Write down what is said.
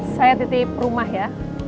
saya titip rumah ya